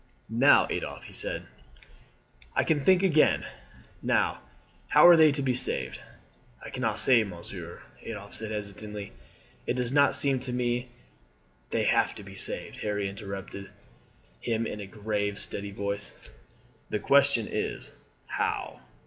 "Now, Adolphe," he said, "I can think again. Now, how are they to be saved?" "I cannot say, monsieur," Adolphe said hesitatingly. "It does not seem to me " "They have to be saved," Harry interrupted him in a grave, steady voice. "The question is how?"